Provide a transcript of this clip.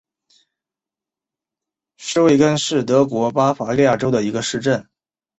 施魏根是德国巴伐利亚州的一个市镇。